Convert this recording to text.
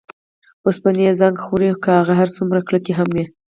اوسپنې یې زنګ خوري که هغه هر څومره کلکې هم وي.